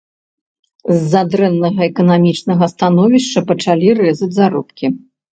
З-за дрэннага эканамічнага становішча пачалі рэзаць заробкі.